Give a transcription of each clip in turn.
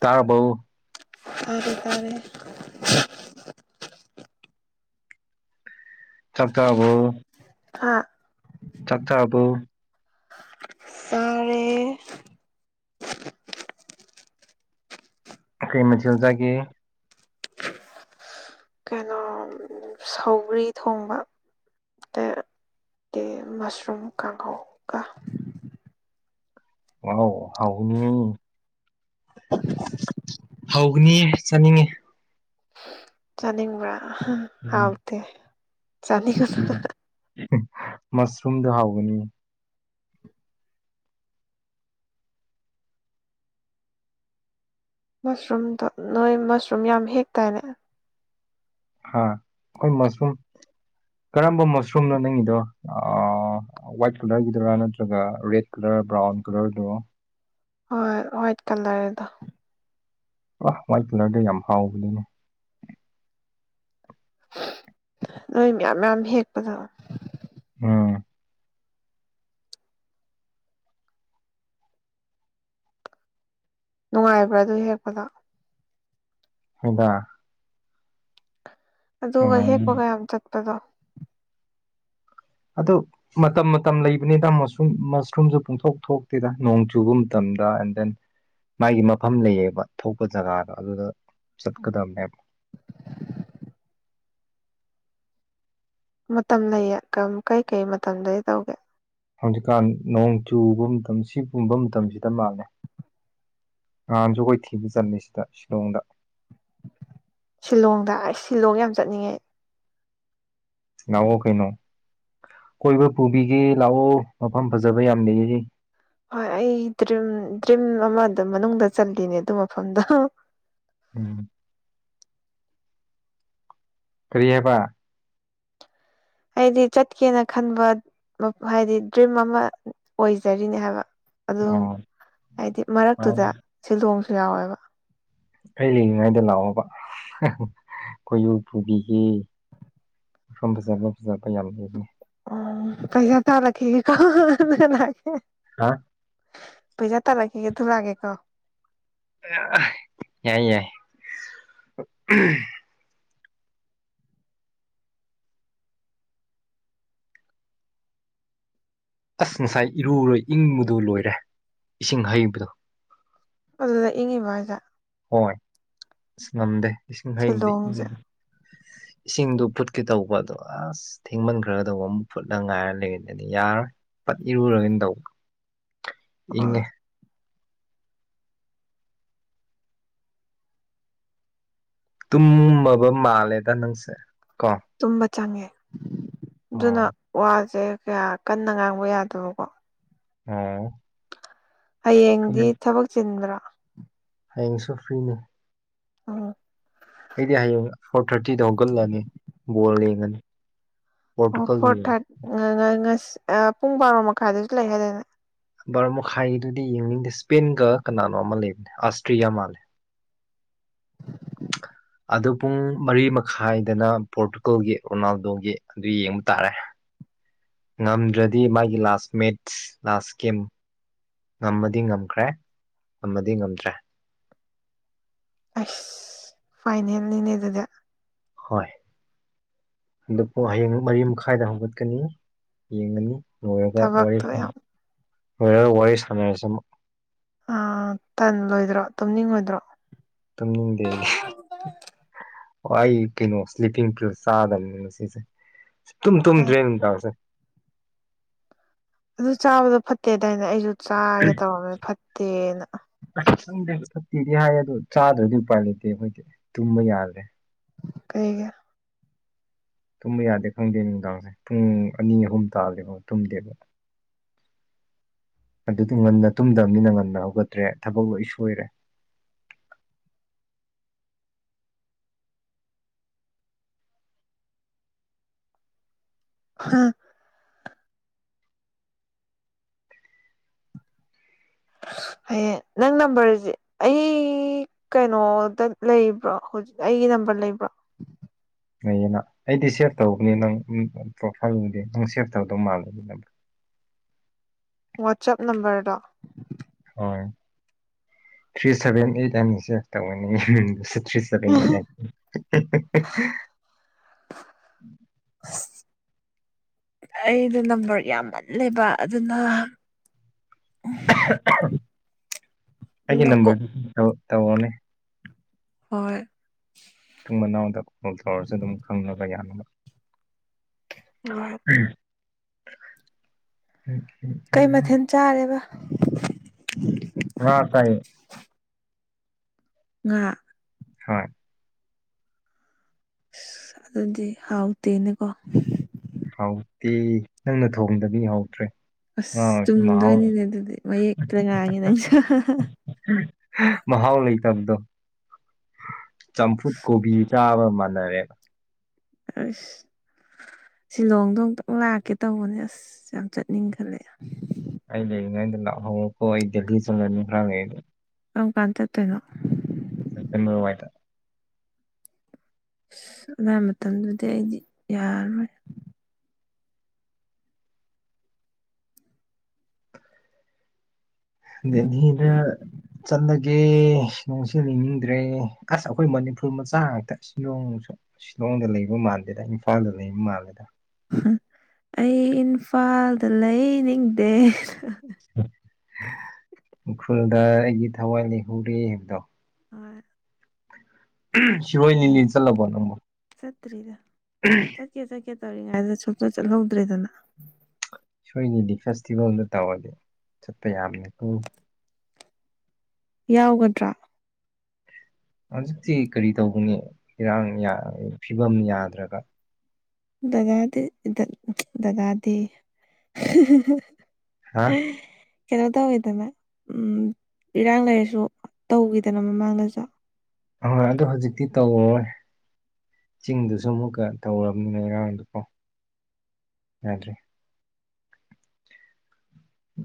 ꯇꯥꯔꯕꫭ ꯇꯥꯔꯦ ꯇꯥꯔꯦ ꯆꯥꯛ ꯆꯥꯔꯕꯣ ꯍꯥ ꯆꯥꯛ ꯆꯥꯔꯕꫭ ꯆꯥꯔꯦ ꯀꯩ ꯃꯊꯦꯜ ꯆꯥꯒꯦ ꯀꯩꯅꯣ ꯎꯝ ꯁꯧ ꯁꯧꯒ꯭ꯔꯤ ꯊꯣꯡꯕ ꯑꯗꯒꯤ ꯃꯁꯔꯨꯝ ꯀꯥꯡꯒꯧ ꯑꯥꯎ ꯍꯥꯎꯅꯤ ꯍꯥꯎꯒꯅꯤꯌꯦ ꯆꯥꯅꯤꯡꯉꯦ ꯆꯥꯅꯤꯡꯕ꯭ꯔꯥ ꯎꯝ ꯍꯥꯎꯇꯦ ꯆꯥꯅꯤꯡꯉꯨꯅꯨ ꯃꯁꯔꯨꯝꯗꫭ ꯍꯥꯎꯕꯅꯤ ꯃꯁꯔꯨꯝꯗꯣ ꯅꯣꯏ ꯃꯁꯔꯨꯝ ꯌꯥꯝ ꯍꯦꯛꯇꯥꯏꯅꯦ ꯍꯥ ꯑꯈꯣꯏ ꯃꯁꯔꯨꯝ ꯀꯔꯝꯕ ꯃꯁꯔꯨꯝꯅꯣ ꯅꯪꯒꯤꯗꯣ ꯑꯥ ꯋꯥꯏꯠ ꯀꯂꯔꯒꯤꯗꯨꯔꯥ ꯅꯠꯇ꯭ꯔꯒ ꯔꯦꯠ ꯀꯂꯔ ꯕ꯭ꯔꯥꯎꯟ ꯀꯂꯔ ꯗꯨꯔꫭ ꯍꯣꯏ ꯍ꯭ꯋꯥꯏꯠ ꯀꯂꯔꯗꫭ ꯑ ꯋꯥꯏꯠ ꯀꯂꯔꯗꯨ ꯌꯥꯝ ꯍꯥꯎꯕꯅꯤꯅꯦ ꯅꯣꯏ ꯃꯌꯥꯝ ꯃꯌꯥꯝ ꯍꯦꯛꯄꯗꯣ ꯎꯝ ꯅꯨꯡꯉꯥꯏꯕ꯭ꯔꯥ ꯑꯗꯨ ꯍꯦꯛꯄꯗꯣ [unintelligible] ꯑꯗꯨꯒ ꯅꯨꯡꯉꯥꯏꯅꯤ ꯍꯦꯛꯄꯒ ꯌꯥꯝ ꯆꯠꯄꯗꯣ ꯑꯗꯨ ꯃꯇꯝ ꯃꯇꯝ ꯂꯩꯕꯅꯤꯗ ꯃꯁꯔꯨꯝ ꯃꯁꯔꯨꯝꯖꯨ ꯄꯨꯡꯊꯣꯛ ꯊꯣꯛꯇꯦꯗ ꯅꯣꯡ ꯆꯨꯕ ꯃꯇꯝꯗ ꯑꯦꯟ ꯗꯦꯟ ꯃꯥꯒꯤ ꯃꯐꯝ ꯂꯩꯌꯦꯕ ꯊꯣꯛꯄ ꯖꯒꯥꯗꯣ ꯑꯗꯨꯗ ꯆꯠꯀꯗꯕꯅꯦꯕ ꯃꯇꯝ ꯂꯩꯌꯦ ꯀꯝ ꯀꯩꯀꯩ ꯃꯇꯝꯗꯗꯤ ꯇꯧꯒꯦ ꯍꯧꯖꯤꯛꯀꯥꯟ ꯅꯣꯡ ꯆꯨꯕ ꯃꯇꯝ ꯁꯤ ꯒꯨꯝꯕ ꯃꯇꯝꯁꯤꯗ ꯃꯥꯜꯂꯦ ꯉꯍꯥꯟꯁꯨ ꯑꯩꯈꯣꯏ ꯊꯤꯕ ꯆꯠꯂꯤ ꯁꯤꯗ ꯁꯤꯂꯣꯡꯗ ꯁꯤꯂꯣꯡꯗ ꯑꯩꯁ ꯁꯤꯂꯣꯡ ꯌꯥꯝ ꯆꯠꯅꯤꯡꯉꯦ ꯑꯩ ꯂꯥꯛꯑꯣ ꯀꯩꯅꯣ ꯀꯣꯏꯕ ꯄꯨꯕꯤꯒꯦ ꯂꯥꯛꯑꯣ ꯃꯐꯝ ꯐꯖꯕ ꯌꯥꯝ ꯂꯩꯔꯦ ꯍꯣꯏ ꯑꯩ ꯗ꯭ꯔꯤꯝ ꯗ꯭ꯔꯤꯝ ꯑꯃꯗ ꯃꯅꯨꯡꯗ ꯆꯜꯂꯤꯅꯦ ꯑꯗꯨ ꯃꯐꯝꯗꫭ ꯎꯝ ꯀꯔꯤ ꯍꯥꯏꯕ ꯍꯥꯏꯗꯤ ꯆꯠꯀꯦꯅ ꯈꯟꯕ ꯃꯐ ꯍꯥꯏꯗꯤ ꯗ꯭ꯔꯤꯝ ꯑꯃ ꯑꯣꯏꯖꯔꯤꯅꯦ ꯍꯥꯏꯕ ꯑꯗꯨꯝ ꯑꯣ ꯍꯥꯏꯗꯤ ꯃꯔꯛꯇꯨꯗ ꯑꯩ ꯁꯤꯂꯣꯡꯁꯨ ꯌꯥꯎꯋꯦꯕ ꯑꯩ ꯂꯩꯔꯤꯉꯩꯗ ꯂꯥꯛꯑꯣꯕ ꯀꫭꯏꯕꯨ ꯄꯨꯕꯤꯒꯦ ꯃꯐꯝ ꯐꯖꯕ ꯐꯖꯕ ꯌꯥꯝ ꯂꯩꯕꯅꯤ ꯎ ꯄꯩꯁꯥ ꯇꯥꯜꯂꯛꯈꯤꯒꯦ ꯑꯗꯨꯒ ꯂꯥꯛꯀꯦ ꯍꯥ ꯄꯩꯁꯥ ꯇꯥꯜꯂꯛꯈꯤꯒꯦ ꯑꯗꯨ ꯂꯥꯛꯀꯦꯀꯣ ꯌꯥꯏ ꯌꯥꯏ ꯑꯁ ꯉꯁꯥꯏ ꯏꯔꯨꯔꯣꯏ ꯏꯪꯕꯗꯨ ꯂꯣꯏꯔꯦ ꯏꯁꯤꯡ ꯍꯩꯕꯗꯣ ꯑꯗꯨꯗ ꯏꯪꯉꯤꯕꫭ ꯍꯥꯏꯖꯦ ꯍꯣꯏ ꯑꯁ ꯉꯝꯗꯦ ꯏꯁꯤꯡ ꯍꯩꯕꯗꯤ ꯁꯤꯂꯣꯡꯁꯦ [inaudible] ꯏꯁꯤꯡꯗꯨ ꯐꯨꯠꯀꯦ ꯇꯧꯕ ꯑꯗꯣ ꯑꯁ ꯊꯦꯡꯃꯟꯈ꯭ꯔꯒꯗꯧꯕ ꯑꯃꯨꯛ ꯐꯨꯠꯂ ꯉꯥꯏꯔ ꯂꯩꯔꯗꯗꯤ ꯌꯥꯔꯔꫭꯏ ꯄꯠ ꯏꯔꯨꯔꯒꯅꯤ ꯇꯧ ꯑ ꯏꯪꯉꯦ ꯇꯨꯝꯃꯕ ꯃꯥꯜꯂꯦꯗ ꯅꯪꯁꯦ ꯀꯣ ꯇꯨꯝꯕ ꯆꯪꯉꯦ ꯑꯗꯨꯅ ꯑꯣ ꯋꯥꯁꯦ ꯀꯌꯥ ꯀꯟꯅ ꯉꯥꯡꯕ ꯌꯥꯗꯕꯀꯣ ꯑꯣ ꯍꯌꯦꯡꯗꯤ ꯍꯌꯦꯡ ꯊꯕꯛ ꯆꯤꯟꯕ꯭ꯔꯥ ꯍꯌꯦꯡꯁꯨ ꯐ꯭ꯔꯤꯅꯤ ꯑꯣ ꯑꯩꯗꯤ ꯍꯌꯦꯡ ꯐꯣꯔ ꯊꯥꯔꯇꯤꯗ ꯍꯧꯒꯠꯂꯅꯤ ꯕꯣꯜ ꯌꯦꯡꯉꯅꯤ ꯑꯣ ꯄꯣꯔꯇꯨꯒꯜꯒꯤ ꯐꯣꯔ ꯊꯥꯔꯠ ꯑ ꯄꯨꯡ ꯕꯥꯔꯣ ꯃꯈꯥꯏꯗꯁꯨ ꯂꯩ ꯍꯥꯏꯗꯅꯦ ꯕꯥꯔꫭ ꯃꯈꯥꯏꯒꯤꯗꯨꯗꯤ ꯌꯦꯡꯅꯤꯡꯗꯦ ꯁ꯭ꯄꯦꯟꯒ ꯀꯅꯥꯅꯣ ꯑꯃ ꯂꯩꯕꯅꯦ ꯑꯁꯇ꯭ꯔꯤꯌꯥ ꯃꯥꯜꯂꯦ ꯑꯗꯨ ꯄꯨꯡ ꯃꯔꯤ ꯃꯈꯥꯏꯗꯅ ꯄꯣꯔꯇꯨꯒꯜꯒꯤ ꯔꯣꯅꯥꯜꯗꯣꯒꯤ ꯑꯗꯨ ꯌꯦꯡꯕ ꯇꯥꯔꯦ [inaudible] ꯉꯝꯗ꯭ꯔꯗꯤ ꯃꯥꯒꯤ ꯂꯥꯁ ꯃꯦꯠꯁ ꯂꯥꯁ ꯒꯦꯝ ꯉꯝꯃꯗꯤ ꯉꯝꯈ꯭ꯔꯦ ꯉꯝꯃꯗꯤ ꯉꯝꯗ꯭ꯔꯦ ꯑꯁ ꯐꯥꯏꯅꯦꯜꯅꯤꯅꯦ ꯑꯗꯨꯗꯤ ꯍꯣꯏ ꯑꯗꯨꯄꯨ ꯍꯌꯦꯡ ꯃꯔꯤ ꯃꯈꯥꯏꯗ ꯍꯧꯒꯠꯀꯅꯤ ꯌꯦꯡꯒꯅꯤ ꯂꯣꯏꯔꯒ ꯋꯥꯔꯤ ꯊꯕꯛꯇꯣ ꯌꯥꯝ ꯂꯣꯏꯔꯒ ꯋꯥꯔꯤ ꯁꯥꯟꯅꯔꯁꯤ ꯑꯃꯨꯛ ꯑꯥ ꯇꯟ ꯂꯣꯏꯗ꯭ꯔꯣ ꯇꯨꯝꯅꯤꯡꯉꯣꯏꯗ꯭ꯔꯣ ꯇꯨꯝꯅꯤꯡꯗꯦꯅꯦ ꯑꯣ ꯑꯩ ꯀꯩꯅꯣ ꯁ꯭ꯂꯤꯞꯄꯤꯡ ꯄꯤꯜꯁ ꯆꯥꯗꯕꯅꯤ ꯉꯁꯤꯗꯤ ꯁꯨꯛꯇꯨꯝ ꯑꯦ ꯇꯨꯨꯝꯗꯔꯦ ꯅꯨꯡꯗꯥꯡꯗ ꯑꯗꯨ ꯆꯥꯕꯗꯣ ꯐꯠꯇꯦꯗꯥꯏꯅꯦ ꯑꯩꯁꯨ ꯆꯥꯒꯦ ꯇꯧꯔꯝꯃꯦ ꯐꯠꯇꯦꯅ ꯈꯪꯗꯦ ꯐꯛꯇꯦꯗꯤ ꯍꯥꯏ‌ ꯑꯗꯨ ꯆꯥꯗ꯭ꯔꯗꯤ ꯎꯄꯥꯏ ꯂꯩꯇꯦ ꯑꯩꯈꯣꯏꯗꯤ ꯇꯨꯝꯕ ꯌꯥꯗꯔꯦ ꯀꯩꯒꯤ ꯇꯨꯝꯕ ꯌꯥꯗꯦ ꯈꯪꯗꯦ ꯅꯨꯡꯗꯥꯡꯁꯦ ꯄꯨꯡ ꯑꯅꯤ ꯑꯍꯨꯝ ꯇꯥꯗꯔꯤꯕꯨꯛ ꯇꯨꯝꯗꯦꯕ ꯑꯗꯨꯗꯤ ꯉꯟꯅ ꯇꯨꯝꯗꯝꯅꯤꯅ ꯉꯟꯅ ꯍꯧꯒꯠꯇ꯭ꯔꯦ ꯊꯕꯛ ꯂꯣꯏ ꯁꯣꯏꯔꯦ ꯍꯥ ꯍꯌꯦꯡ ꯅꯪ ꯅꯝꯕꯔꯖꯤ ꯑꯩ ꯀꯩꯅꯣꯗ ꯂꯩꯕ꯭ꯔꯣ ꯍꯧꯖꯤꯛ ꯑꯩꯒꯤ ꯅꯝꯕꯔ ꯂꯩꯕ꯭ꯔꯣ ꯂꯩꯌꯦꯅ ꯑꯩꯗꯤ ꯁꯦꯚ ꯇꯧꯕꯅꯤ ꯅꯪ ꯄ꯭ꯔꯣꯐꯥꯏꯜ ꯎꯗꯦ ꯅꯪ ꯁꯦꯚ ꯇꯧꯗ ꯃꯥꯜꯂꯦ ꯅꯪ ꯋꯥꯆꯞ ꯅꯝꯕꯔꯗꯣ ꯍꯣꯏ ꯊ꯭ꯔꯤ ꯁꯚꯦꯟ ꯑꯩꯠ ꯑꯅꯤꯁꯦ ꯇꯧꯒꯅꯤ [unintelligible] [unintelligible] [inaudible] ꯑꯩꯗꯣ ꯅꯝꯕꯔ ꯌꯥꯝꯃꯜꯂꯦꯕ ꯑꯗꯨꯅ ꯑꯩꯒꯤ ꯅꯀꯣ ꯅꯝꯕꯔꯗꯨ ꯇꯧꯋꫭꯅꯦ ꯍꯣꯏ ꯃꯇꯨꯡ ꯃꯅꯥꯎꯗ ꯀꯣꯜ ꯇꯧꯔꯁꯨ ꯑꯗꯨꯝ ꯈꯪꯅꯕ ꯌꯥꯅꯕ ꯍꯣꯏ ꯎꯝ ꯎꯝ ꯀꯩ ꯎꯝ ꯃꯊꯦꯜ ꯆꯥꯔꯦꯕ ꯉꯥ ꯆꯥꯏꯌꯦ ꯉꯥ ꯍꯣꯏ ꯑꯁ ꯑꯗꯨꯗꯤ ꯍꯥꯎꯇꯦꯅꯦ ꯀꯣ ꯍꯥꯎꯇꯦ ꯅꯪꯅ ꯊꯣꯡꯗꯗꯤ ꯍꯥꯎꯇ꯭ꯔꯦ ꯑꯁ [unintelligible] ꯆꯨꯝꯗꯣꯏꯅꯤꯅꯦ ꯑꯗꯨꯗꯤ ꯃꯌꯦꯛꯇ ꯉꯥꯡꯉꯦ ꯅꯪꯁꯨ ꯃꯍꯥꯎ ꯂꯩꯇꯕꯗꯣ ꯆꯝꯐꯨꯠ ꯀꯣꯕꯤ ꯆꯥꯕ ꯃꯥꯅꯔꯦꯕ ꯑꯁ ꯁꯤꯂꯣꯡꯗꯣ ꯑꯃꯨꯛꯇꯪ ꯂꯥꯛꯀꯦ ꯇꯧꯕꯅꯦ ꯑꯁ ꯌꯥꯝ ꯆꯠꯅꯤꯡ ꯈꯜꯂꯦ ꯑꯩ ꯂꯩꯔꯤꯉꯩꯗ ꯂꯥꯛꯍꯧꯔꯣꯀꯣ ꯑꯩ ꯗꯦꯜꯂꯤ ꯆꯪꯂꯅꯤ ꯈꯔꯥ ꯂꯩꯔꯗꯤ ꯀꯔꯝ ꯀꯥꯟ ꯆꯠꯇꯣꯏꯅꯣ [unintelligible] ꯑꯁ ꯑꯗꯨꯋꯥꯏ ꯃꯇꯝꯗꯨꯗꯤ ꯑꯩꯗꯤ ꯌꯥꯔꯣꯏ [unintelligible] ꯆꯠꯂꯒꯦ ꯁꯤꯂꯣꯡꯁꯦ ꯂꯩꯅꯤꯡꯗ꯭ꯔꯦ ꯑꯥꯁ ꯑꯩꯈꯣꯏ ꯃꯅꯤꯄꯨꯔ ꯃꯆꯥ ꯉꯥꯛꯇ ꯁꯤꯂꯣꯡꯁꯨ ꯁꯤꯂꯣꯡꯗ ꯂꯩꯕ ꯃꯥꯟꯗꯦꯗ ꯏꯝꯐꯥꯜꯗ ꯂꯩꯕ ꯃꯥꯜꯂꯦꯗ ꯍꯥ ꯑꯩ ꯏꯝꯐꯥꯜꯗ ꯂꯩꯅꯤꯡꯗꯦ ꯎꯈ꯭ꯔꯨꯜꯗ ꯑꯩꯒꯤ ꯊꯋꯥꯏ ꯂꯩꯍꯧꯔꯤ ꯍꯥꯏꯕꯗꯣ ꯍꯣꯏ ꯁꯤꯔꯣꯏ ꯅꯂꯤꯂꯤ ꯆꯜꯂꯕꯣ ꯅꯪꯕꯣ ꯆꯠꯇꯔꯤꯗ ꯎꯝ ꯆꯠꯀꯦ ꯆꯠꯀꯦ ꯇꯧꯔꯤꯉꯩꯗ ꯁꯨꯆꯠ ꯆꯠꯍꯧꯗ꯭ꯔꯦꯗꯅ ꯁꯤꯔꯣꯏ ꯂꯤꯂꯤ ꯐꯦꯁꯇꯤꯚꯦꯜꯗꯣ ꯇꯧꯔꯗꯤ ꯆꯠꯄ ꯌꯥꯕꯅꯦꯀꯣ ꯌꯥꯎꯒꯗ꯭ꯔꯥ ꯍꯧꯖꯤꯛꯇꯤ ꯀꯔꯤ ꯇꯧꯒꯅꯤ ꯏꯔꯥꯡ ꯐꯤꯕꯝ ꯌꯥꯗ꯭ꯔꯒ ꯗꯗꯥ ꯗ ꯗꯗꯥꯗꯤ ꯌꯦ ꯍꯥ [unintelligible] ꯀꯩꯅꯣ ꯇꯧꯋꯤꯗꯅ ꯏꯔꯥꯡ ꯂꯩꯔꯁꯨ ꯇꯧꯈꯤꯗꯅ ꯃꯃꯥꯡꯗꯁꯣ ꯑꯍꯣꯏ ꯑꯗꯨ ꯍꯧꯖꯤꯛꯇꯤ ꯇꯧꯔꯔꯣꯏ ꯆꯤꯡꯗꯨꯁꯨ ꯑꯃꯨꯛꯀ ꯇꯧꯔꯝꯅꯤꯅ ꯏꯔꯥꯡꯗꯀꯣ ꯌꯥꯗ꯭ꯔꯦ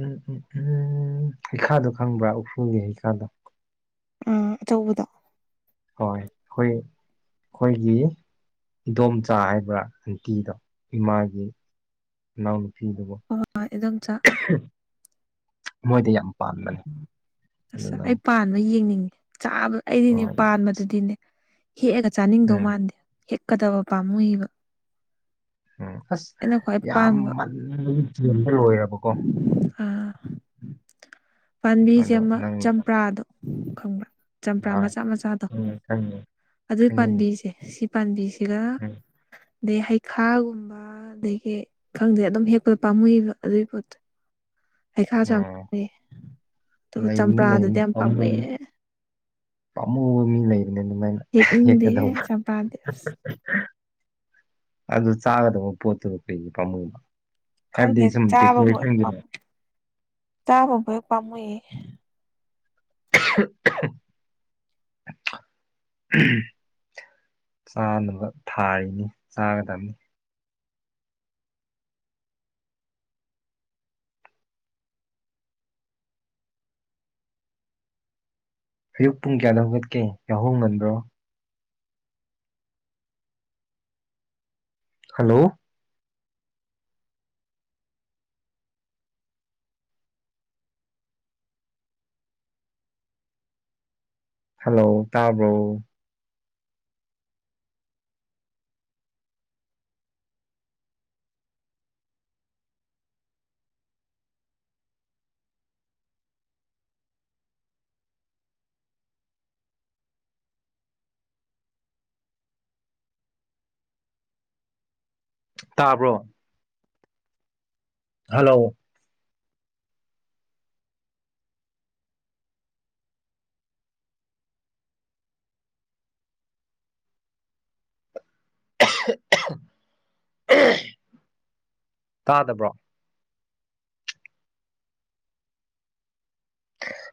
ꯎꯝ ꯎꯝ ꯎꯝ ꯍꯩꯈꯥꯗꯣ ꯈꯪꯕ꯭ꯔꯥ ꯎꯈ꯭ꯔꯨꯜꯒꯤ ꯍꯩꯈꯥꯗꯣ ꯎꯝ ꯑꯆꯧꯕꯗꯣ ꯍꯣꯏ ꯈꯣꯏ ꯈꯣꯏꯒꯤ ꯏꯗꯣꯝꯆꯥ ꯍꯥꯏꯕ꯭ꯔꯥ ꯑꯟꯇꯤꯗꯣ ꯏꯃꯥꯒꯤ ꯃꯅꯥꯎ ꯅꯨꯄꯤꯗꯣꯕꯣ ꯍꯣꯏ ꯏꯗꯣꯝꯆꯥ ꯃꯣꯏꯗꯤ ꯌꯥꯝ ꯄꯥꯟꯕꯅꯤ ꯑꯗꯨ ꯑꯁ ꯑꯩ ꯄꯥꯟꯕ ꯌꯦꯡꯅꯤꯡꯉꯦ ꯆꯥꯕꯗ ꯑꯩꯗꯤꯅꯦ ꯍꯣꯏ ꯄꯥꯟꯕꯗꯨꯗꯤꯅꯦ ꯍꯦꯛꯑꯒ ꯆꯥꯅꯤꯡꯗꯧ ꯎꯝ ꯃꯥꯟꯗꯦ ꯍꯦꯛꯀꯗꯕ ꯄꯥꯝꯃꯨꯏꯕ ꯎꯝ ꯑꯁ ꯑꯩꯅ ꯈ꯭ꯋꯥꯏ ꯄꯥꯝꯕ ꯌꯥꯝꯃꯟꯕꯒꯤꯗ ꯂꯣꯏꯔꯕꯀꯣ ꯑꯥ ꯄꯥꯟꯕꯤꯁꯦ ꯑꯗꯣ ꯑꯃ ꯅꯪ ꯆꯝꯄ꯭ꯔꯥꯗꯣ ꯈꯪꯕ꯭ꯔꯥ ꯆꯝꯄ꯭ꯔꯥ ꯍꯣꯏ ꯃꯆꯥ ꯃꯆꯥꯗꯣ ꯎꯝ ꯈꯪꯉꯤ ꯑꯗꯨꯏ ꯈꯪꯉꯤꯅꯤ ꯄꯥꯝꯕꯤꯁꯦ ꯁꯤ ꯄꯥꯟꯕꯤꯁꯤꯒ ꯎꯝ ꯑꯗꯩ ꯍꯩꯈꯥꯒꯨꯝꯕ ꯑꯗꯒꯤ ꯈꯪꯗꯦ ꯑꯗꯨꯝ ꯍꯦꯛꯄꯗ ꯄꯥꯝꯃꯨꯏꯕ ꯑꯗꯨꯒꯤ ꯄꯣꯠꯇꯣ꯫ ꯍꯩꯈꯥꯁꯨ ꯌꯥꯝ ꯑꯣ ꯄꯥꯝ ꯑꯗꯨꯒ ꯂꯩꯕꯅꯤ ꯆꯝꯄ꯭ꯔꯥꯗꯨꯗꯤ ꯂꯩꯕꯅꯤ ꯌꯥꯝ ꯄꯥꯝꯃꯨꯑꯦ꯫ ꯄꯥꯃꯨꯕ ꯃꯤ ꯂꯩꯕꯅꯦ ꯗꯨꯃꯥꯏꯅ꯫ ꯍꯦꯛꯅꯤꯡꯗꯦꯍꯦ ꯆꯄ꯭ꯔꯥꯗꯤ ꯑꯁ꯫ ꯑꯗꯨ ꯆꯥꯒꯗꯕ ꯄꯣꯠꯇꯨ ꯀꯩꯒꯤ ꯄꯥꯝꯃꯨꯕ꯫ ꯍꯥꯏꯕꯗꯤ ꯈꯪꯗꯦ ꯁꯨꯝ [inaudible] ꯇꯥꯕ [inaudible] ꯄꯝꯃꯨꯑꯦ꯫ [unintelligible] ꯆꯥꯅꯕ ꯊꯥꯔꯤꯅꯤ ꯆꯥꯒꯗꯕꯅꯤ꯫ ꯑꯌꯨꯛ ꯄꯨꯡ ꯀꯌꯥꯗ ꯍꯧꯒꯠꯀꯦ ꯌꯥꯍꯧ ꯉꯟꯕ꯭ꯔꯣ꯫ ꯍꯜꯂꯣ꯫ ꯍꯜꯂꯣ ꯇꯥꯕ꯭ꯔꯣ꯫ ꯇꯥꯕ꯭ꯔꯣ꯫ ꯍꯜꯂꯣ꯫ [unintelligible] ꯇꯥꯗꯕ꯭ꯔꯣ꯫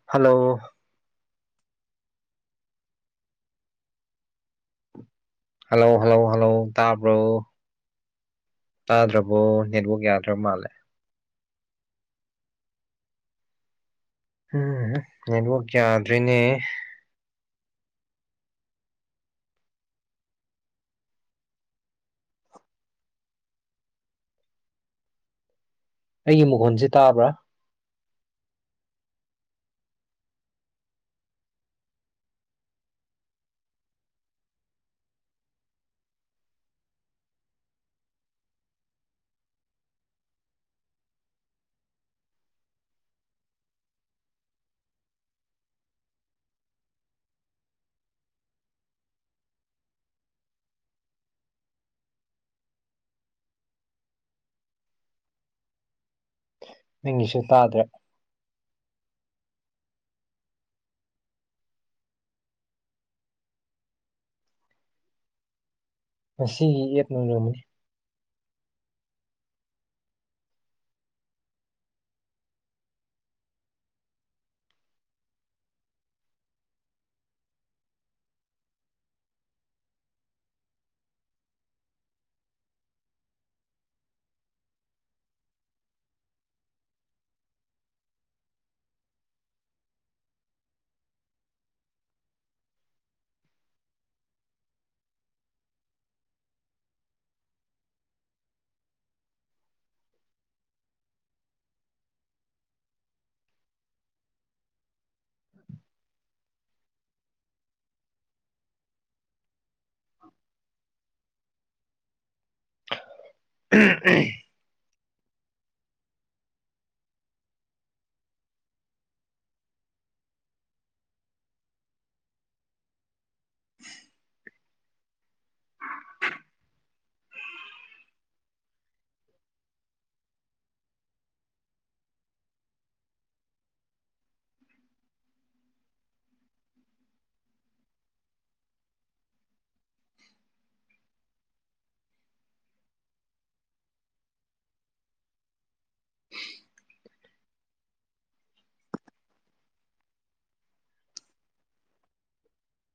ꯍꯜꯂꯣ꯫ ꯍꯜꯂꫭ ꯍꯜꯂꯧ ꯍꯜꯂꯧ ꯇꯥꯕ꯭ꯔꯣ꯫ ꯇꯥꯗ꯭ꯔꯕꯣ ꯅꯦꯠꯋꯛ ꯌꯥꯗ꯭ꯔꯕ ꯃꯥꯜꯂꯦ꯫ ꯎꯝꯍꯝ ꯅꯦꯠꯋꯛ ꯌꯥꯗ꯭ꯔꯦꯅꯦ꯫ ꯑꯩꯒꯤ ꯃꯈꯣꯟꯁꯦ ꯇꯥꯕ꯭ꯔꯥ꯫ ꯅꯤꯡꯒꯤꯁꯨ ꯇꯥꯗ꯭ꯔꯦ꯫ ꯉꯁꯤꯒꯤ ꯌꯦꯞ [inaudible] [unintelligible] [unintelligible]